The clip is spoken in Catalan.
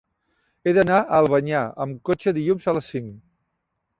He d'anar a Albanyà amb cotxe dilluns a les cinc.